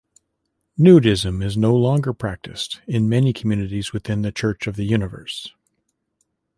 Nudism is no longer practiced in many communities within the Church of the Universe.